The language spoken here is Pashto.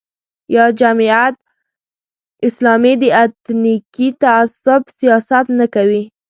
یا جمعیت اسلامي د اتنیکي تعصب سیاست نه کوي.